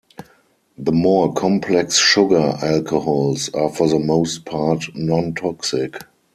The more complex sugar alcohols are for the most part nontoxic.